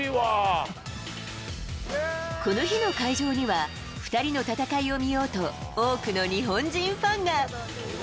この日の会場には、２人の戦いを見ようと、多くの日本人ファンが。